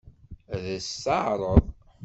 Ad as-t-teɛṛeḍ?